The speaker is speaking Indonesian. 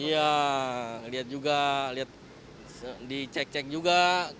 iya lihat juga lihat dicek cek juga